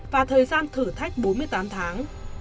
và thời gian thử thách bốn mươi tám tháng